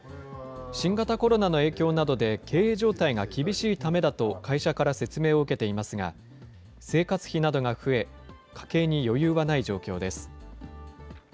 新型コロナの影響などで経営状態が厳しいためだと会社から説明を受けていますが、生活費などが増え、家計に余裕はない状況です。